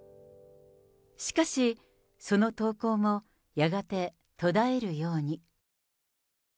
しかし、その投稿もやがて途絶えるように。